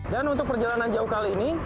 dan untuk perjalanan jauh kali ini